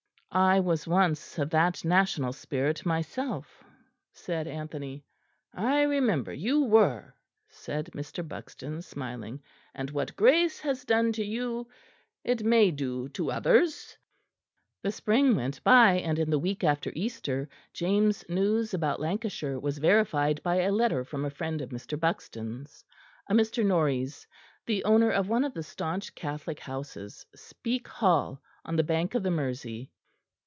"I was once of that national spirit myself," said Anthony. "I remember you were," said Mr. Buxton, smiling; "and what grace has done to you it may do to others." The spring went by, and in the week after Easter, James' news about Lancashire was verified by a letter from a friend of Mr. Buxton's, a Mr. Norreys, the owner of one of the staunch Catholic houses, Speke Hall, on the bank of the Mersey.